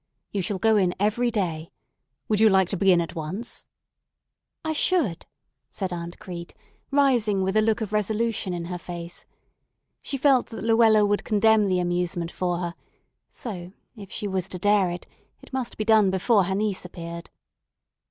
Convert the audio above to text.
You shall go in every day. Would you like to begin at once?" "I should," said Aunt Crete, rising with a look of resolution in her face. She felt that Luella would condemn the amusement for her; so, if she was to dare it, it must be done before her niece appeared.